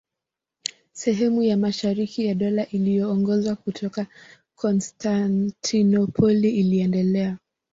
Sehemu ya mashariki ya Dola iliyoongozwa kutoka Konstantinopoli iliendelea.